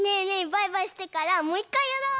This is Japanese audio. バイバイしてからもういっかいやろう！